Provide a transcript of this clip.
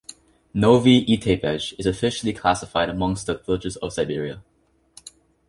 Novi Itebej is officially classified amongst the villages of Serbia.